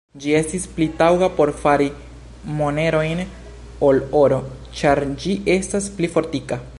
Ĝi estis pli taŭga por fari monerojn ol oro, ĉar ĝi estas pli fortika.